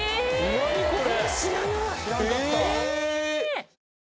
何これ⁉